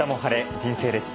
人生レシピ」。